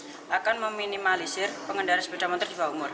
hal tersebut akan meminimalisir pengendaraan sepeda motor di bawah umur